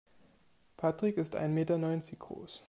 Patrick ist ein Meter neunzig groß.